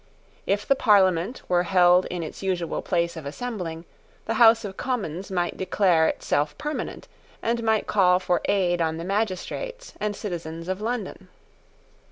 If the Parliament were held in its usual place of assembling, the House of Commons might declare itself permanent, and might call for aid on the magistrates and citizens of London.